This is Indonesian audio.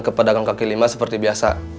ke pedagang kaki lima seperti biasa